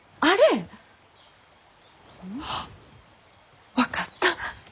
ん？あっ分かった！